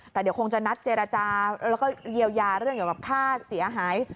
แต่เดี๋ยวคงจะนัดเจรจาแล้วก็เยียวยาเรื่องเกี่ยวกับค่าเสียหาย